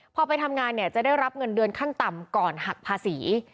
พอไปทำงานเนี่ยจะได้รับเงินเดือนขั้นต่ำก่อนหักภาษี